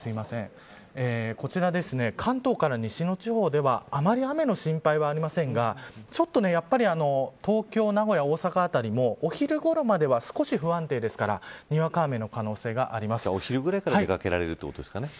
こちら、関東から西の地方ではあまり雨の心配はありませんがちょっとやっぱり東京、名古屋、大阪辺りもお昼ごろまでは少し不安定ですからじゃあ、お昼ぐらいから出掛けられるということですかね。